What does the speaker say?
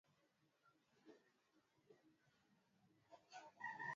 dalili za ugonjwa kwa wanyama waliokufa au mizoga udhibiti na uzuiaji au kinga